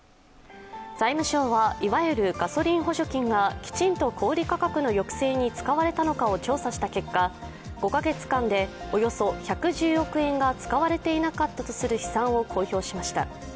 財務省は、いわゆるガソリン補助金がきちんと小売価格の抑制に使われてたのかを調査した結果、５カ月間でおよそ１１０億円が使われていなかったとする試算を公表しました。